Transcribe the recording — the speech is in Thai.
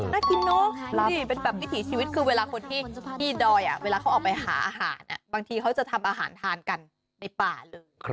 น่ากินเนอะนี่เป็นแบบวิถีชีวิตคือเวลาคนที่ดอยเวลาเขาออกไปหาอาหารบางทีเขาจะทำอาหารทานกันในป่าเลย